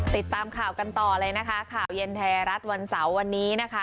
ติดตามข่าวกันต่อเลยนะคะข่าวเย็นไทยรัฐวันเสาร์วันนี้นะคะ